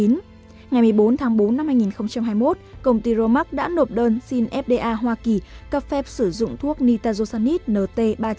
ngày một mươi bốn tháng bốn năm hai nghìn hai mươi một công ty romac đã nộp đơn xin fda hoa kỳ cấp phép sử dụng thuốc nitajusanis nt ba trăm chín mươi